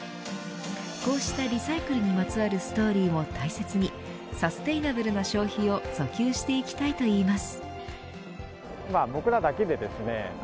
こうしたリサイクルにまつわるストーリーも大切にサステイナブルな消費を訴求していきたいといいます。